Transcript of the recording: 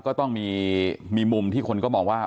ก็ต้องมีมุมที่คนก็มองว่า